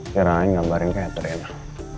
sekarang aja ngambarin kayak terenak